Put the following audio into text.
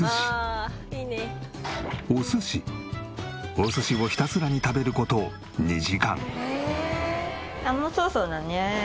お寿司をひたすらに食べる事２時間。